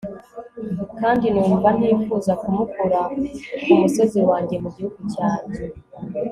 kandi numva ntifuza kumukura ku musozi wanjye, mu gihugu cyanjye